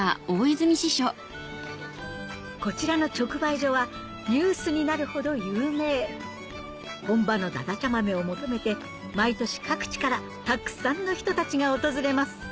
こちらの直売所はニュースになるほど有名本場のだだちゃ豆を求めて毎年各地からたくさんの人たちが訪れます